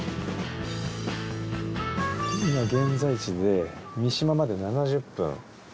今現在地で見島まで７０分。